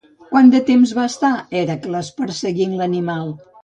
Quant de temps va estar Hèracles perseguint l'animal?